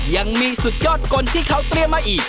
ยังมีสุดยอดกลที่เขาเตรียมมาอีก